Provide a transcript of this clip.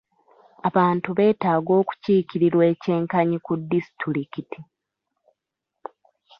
Abantu betaaga okukiikirirwa eky'enkanyi ku disiturikiti .